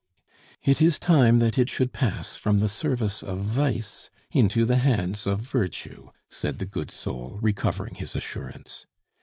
"It is time that it should pass from the service of Vice into the hands of Virtue," said the good soul, recovering his assurance.